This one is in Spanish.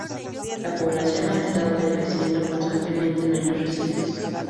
La población ha estado decreciendo constantemente en años recientes.